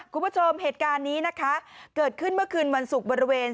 คุณผู้ชมเหตุการณ์นี้นะคะเกิดขึ้นเมื่อคืนวันศุกร์บริเวณ